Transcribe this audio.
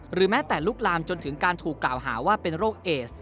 แม้แต่ลุกลามจนถึงการถูกกล่าวหาว่าเป็นโรคเอส